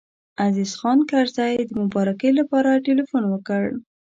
عزیز خان کرزی د مبارکۍ لپاره تیلفون وکړ.